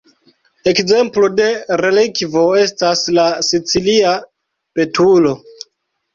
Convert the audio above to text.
Ekzemplo de relikvo estas la sicilia betulo.